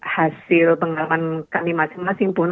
hasil pengalaman kami masing masing pun